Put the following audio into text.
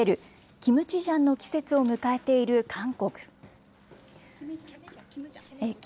キムジャンの季節を迎えている韓国。